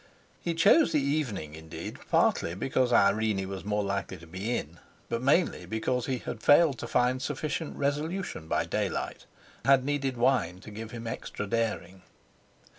He chose the evening, indeed, partly because Irene was more likely to be in, but mainly because he had failed to find sufficient resolution by daylight, had needed wine to give him extra daring.